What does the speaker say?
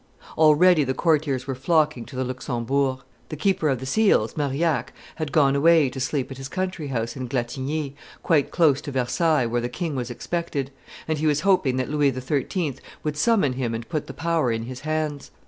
Already the courtiers were flocking to the Luxembourg; the keeper of the seals, Marillac, had gone away to sleep at his country house at Glatigny, quite close to Versailles, where the king was expected; and he was hoping that Louis XIII. would summon him and put the power in his hands.